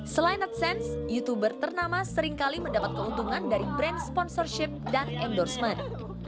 selain adsense youtuber ternama seringkali mendapat keuntungan dari brand sponsorship dan endorsement